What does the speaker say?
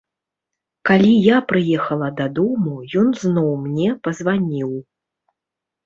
Калі я прыехала дадому, ён зноў мне пазваніў.